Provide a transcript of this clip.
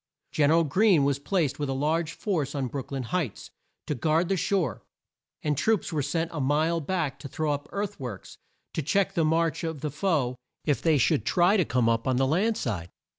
Gen er al Greene was placed with a large force on Brook lyn Heights, to guard the shore, and troops were sent a mile back to throw up earth works to check the march of the foe if they should try to come up on the land side.